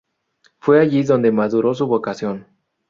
Fue allí donde maduró su vocación.